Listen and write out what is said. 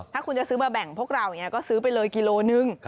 ถ้าคุณจะซื้อมาแบ่งพวกเราอย่างนี้ก็ซื้อไปเลยกิโลนึง